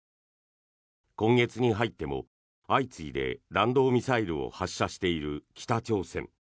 今月に入っても相次いで弾道ミサイルを発射している北朝鮮。